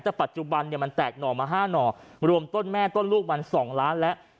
แต่ปัจจุบันเนี่ยมันแตกหน่อมา๕หน่อรวมต้นแม่ต้นลูกมัน๒ล้านแล้ว